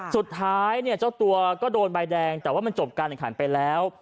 สุดท้ายเนี่ยเจ้าตัวก็โดนใบแดงแต่ว่ามันจบการแข่งขันไปแล้ว